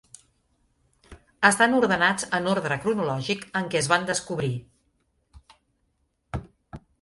Estan ordenats en ordre cronològic en què es van descobrir.